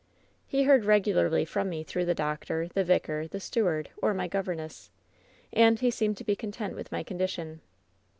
"He heard regularly from me through the doctor, the vicar, the steward, or my governess. And he seemed to be content with my condition.